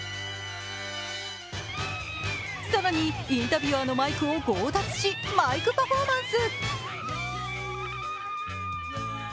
更にインタビュアーのマイクを強奪し、マイクパフォーマンス。